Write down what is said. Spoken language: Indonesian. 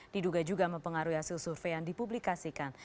diduga juga mempengaruhi hasil survei yang dipublikasikan